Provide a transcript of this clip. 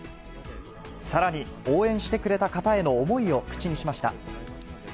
さらに、応援してくれた方への思いを口にしました。